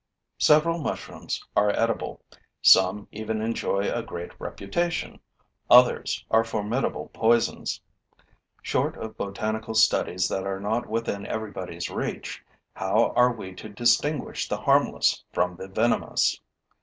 Several mushrooms are edible, some even enjoy a great reputation; others are formidable poisons. Short of botanical studies that are not within everybody's reach, how are we to distinguish the harmless from the venomous?